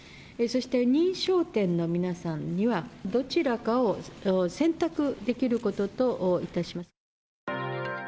そして認証店の皆さんには、どちらかを選択できることといたします。